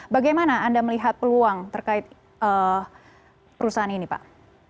bagaimana anda melihat peluang terkait perusahaan ini pak